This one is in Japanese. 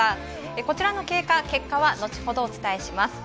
こちらの経過、結果は後ほどお伝えします。